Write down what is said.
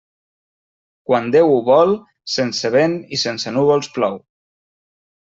Quan Déu ho vol, sense vent i sense núvols plou.